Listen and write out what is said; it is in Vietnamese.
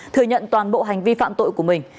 thừa nhận toàn bộ hành vi phạm tội của mình